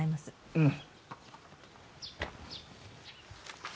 うん。